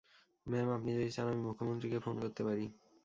Ma'am, আপনি যদি চান, আমি মূখ্য মন্ত্রীকে ফোন করতে পারি।